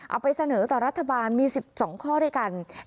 เอาไปเสนอต่อรัฐบาลมี๑๒ข้อด้วยกัน